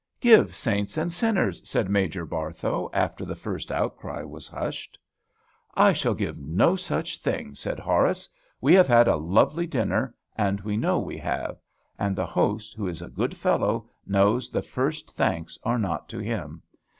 '" "Give 'Saints and Sinners,'" said Major Barthow, after the first outcry was hushed. "I shall give no such thing," said Horace. "We have had a lovely dinner; and we know we have; and the host, who is a good fellow, knows the first thanks are not to him.